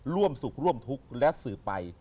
ร่วมสุขร่วมทุกข์และสืบไป